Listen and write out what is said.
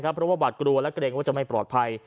เพราะว่าหวัดกลัวและเกรงว่าจะไม่ปลอดภัย